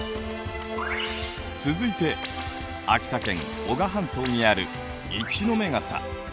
続いて秋田県男鹿半島にある一ノ目潟。